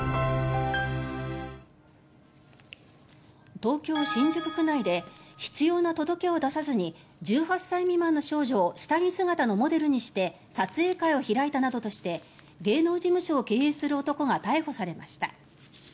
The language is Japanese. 東京・新宿区内で必要な届けを出さずに１８歳未満の少女を下着姿のモデルにして撮影会を開いたなどとして芸能事務所を経営する男が逮捕されました。